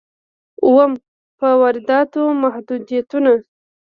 اووم: په وارداتو محدودیتونه.